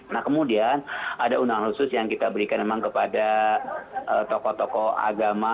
nah kemudian ada undangan khusus yang kita berikan memang kepada tokoh tokoh agama